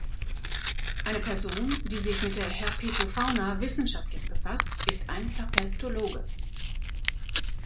Eine Person, die sich mit der Herpetofauna wissenschaftlich befasst, ist ein Herpetologe.